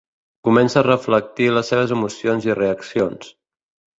Comença a reflectir les seves emocions i reaccions.